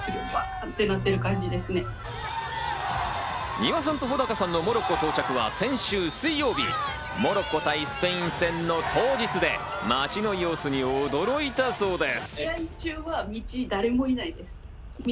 ニワさんとホダカさんのモロッコ到着は先週水曜日、モロッコ対スペイン戦の当日で、街の様子に驚いたそうです。